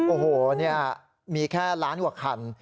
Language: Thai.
โอ้โหเนี่ยมีแค่ล้านหัวขัน